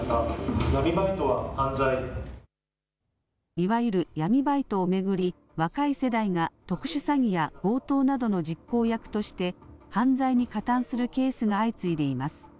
いわゆる闇バイトを巡り若い世代が特殊詐欺や強盗などの実行役として犯罪に加担するケースが相次いでいます。